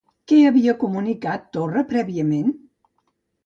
Què havia comunicat Torra prèviament?